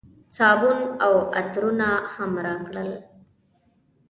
صابون او عطرونه هم راکړل.